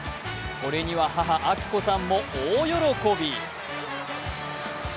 これには母、明子さんも大喜び。